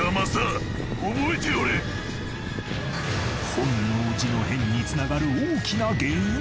本能寺の変に繋がる大きな原因？